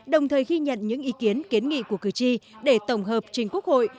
đồng thời ghi nhận những ý kiến kiến nghị của cử tri để tổng hợp trình quốc hội